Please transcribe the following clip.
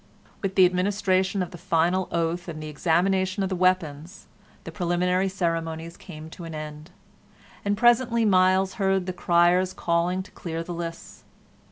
With the administration of the final oath and the examination of the weapons, the preliminary ceremonies came to an end, and presently Myles heard the criers calling to clear the lists.